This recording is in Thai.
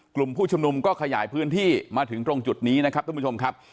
กลุ่มผู้ชุมนุมก็ขยายพื้นที่มาถึงตรงจุดนี้นะครับทุกผู้ชมครับ